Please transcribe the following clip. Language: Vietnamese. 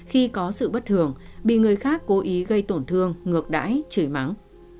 khi có sự bất thường bị người khác cố ý gây tổn thương ngược đãi chửi mắng